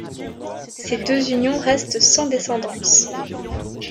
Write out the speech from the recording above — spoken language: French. Ces deux unions restent sans descendance.